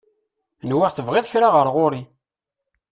Nwiɣ tebɣiḍ kra ɣer ɣur-i?